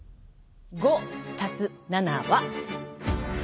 ５＋７は？